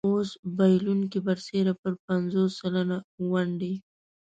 اوس بایلونکی برسېره پر پنځوس سلنه ونډې.